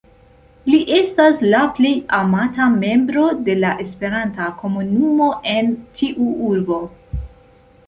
Li estas la plej amata membro de la esperanta komunumo en tiu urbo.